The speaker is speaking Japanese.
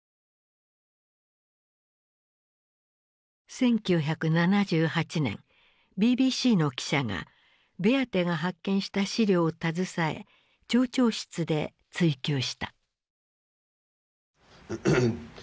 １９７８年ＢＢＣの記者がベアテが発見した資料を携え町長室で追及した。